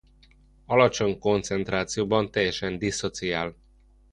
Alacsony koncentrációban teljesen disszociál.